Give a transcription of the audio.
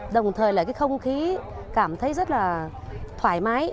đồng thời là cái không khí cảm thấy rất là thoải mái